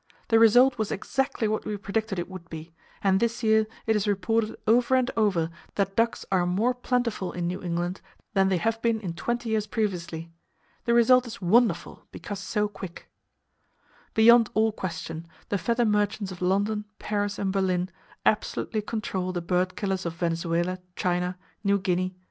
The result was exactly what we predicted it would be; and this year, it is reported over and over that ducks are more plentiful in New England than they have been in twenty years previously! The result is wonderful, because so quick. [Page 135] Beyond all question, the feather merchants of London, Paris and Berlin absolutely control the bird killers of Venezuela, China, New Guinea.